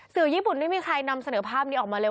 ญี่ปุ่นไม่มีใครนำเสนอภาพนี้ออกมาเลย